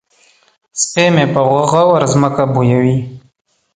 سپی مې په غور ځمکه بویوي.